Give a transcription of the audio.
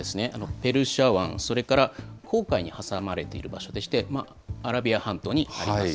ペルシャ湾、それから紅海に挟まれている場所でして、アラビア半島になります。